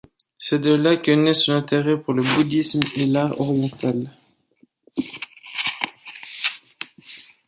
C'est de là que naît son intérêt pour le bouddhisme et l'art oriental.